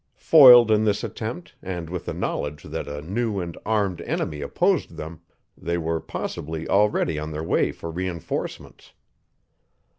Foiled in this attempt, and with the knowledge that a new and armed enemy opposed them, they were possibly already on their way for re enforcements.